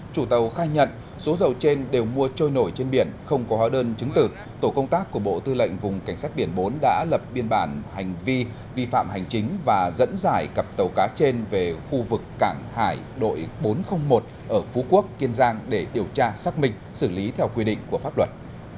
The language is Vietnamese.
chủ tàu khai nhận số dầu trên đều mua trôi nổi trên biển không có hóa đơn chứng tử tổ công tác của bộ tư lệnh vùng cảnh sát biển bốn đã lập biên bản hành vi vi phạm hành chính và dẫn giải cặp tàu cá trên về khu vực cảng hải đội bốn trăm linh một ở phú quốc kiên giang để điều tra xác minh xử lý theo quy định của pháp luật